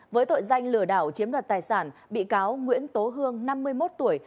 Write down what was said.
với tội danh lừa đảo chiếm đoạt tài sản bị cáo nguyễn tố hương năm mươi một tuổi